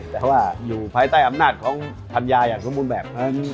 เพราะว่าอยู่ภายใต้อำนาจของภัญญาอย่างคนมุมแบบ